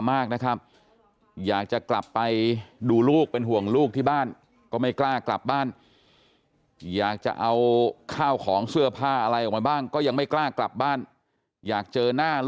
มากอยู่แล้วแต่กลับตอนนี้ไม่อยากเจอ